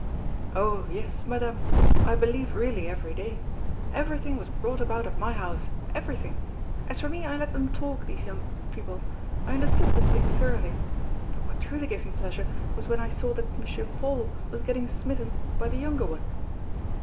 "Oh! yes, Madame I believe really every day. Everything was brought about at my house, everything! As for me, I let them talk, these young people, I understood the thing thoroughly. But what truly gave me pleasure was when I saw that M. Paul was getting smitten by the younger one."